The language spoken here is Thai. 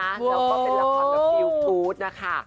แล้วก็เป็นละครแบบฟิลฟู้ดนะคะ